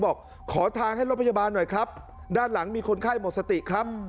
บอกขอทางให้รถพยาบาลหน่อยครับด้านหลังมีคนไข้หมดสติครับ